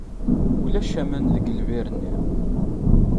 Ulac aman deg lbir-nni.